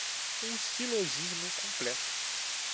um silogismo completo